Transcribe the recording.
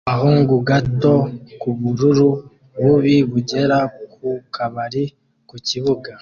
Agahungu gato k'ubururu bubi bugera ku kabari ku kibuga